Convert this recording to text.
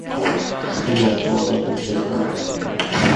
Stina svarade tvekande.